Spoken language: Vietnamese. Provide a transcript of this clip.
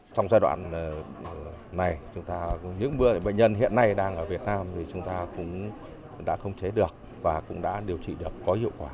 trong giai đoạn này những bệnh nhân hiện nay đang ở việt nam thì chúng ta cũng đã không chế được và cũng đã điều trị được có hiệu quả